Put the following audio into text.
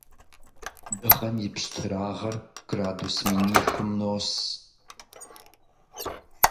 Дыгъэм и пщтырагъыр градус минихым нос.